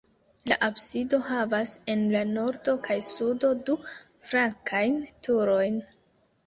La absido havas en la nordo kaj sudo du flankajn turojn.